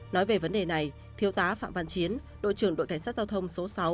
nói về vấn đề này thiêu tá phạm văn chiến đội trưởng đội cảnh sát giao thông số sáu